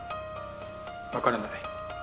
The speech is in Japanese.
わからない。